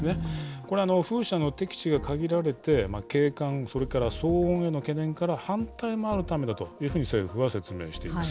これ、風車の適地が限られて、景観、それから騒音への懸念から反対があるためだというふうに、政府は説明しています。